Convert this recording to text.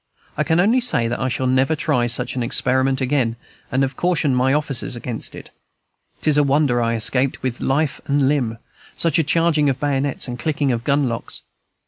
I can only say that I shall never try such an experiment again and have cautioned my officers against it. Tis a wonder I escaped with life and limb, such a charging of bayonets and clicking of gun locks.